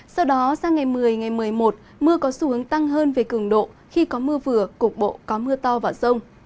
sau đó sang ngày một mươi ngày một mươi một mưa có xu hướng tăng hơn về cường độ khi có mưa vừa cục bộ có mưa to và rông